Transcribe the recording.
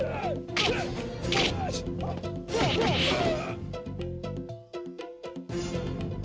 aku sudah mencari